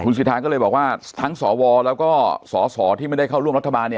สิทธาก็เลยบอกว่าทั้งสวแล้วก็สสที่ไม่ได้เข้าร่วมรัฐบาล